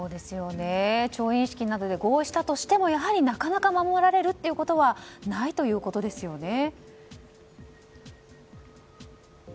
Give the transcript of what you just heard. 調印式などで合意したとしてもなかなか守られるということはないということですよね。